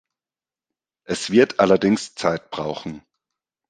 Es wird allerdings Zeit brauchen.